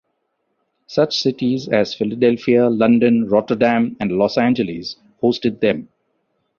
Such cities as Philadelphia, London, Rotterdam and Los Angeles hosted them.